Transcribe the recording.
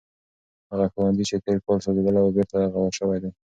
هغه ښوونځی چې تیر کال سوځېدلی و بېرته رغول شوی دی.